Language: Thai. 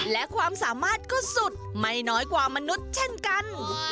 และความสามารถก็สุดไม่น้อยกว่ามนุษย์เช่นกัน